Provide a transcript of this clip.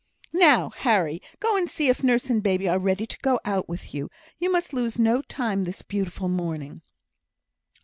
"Now, Harry, go and see if nurse and baby are ready to go out with you. You must lose no time this beautiful morning."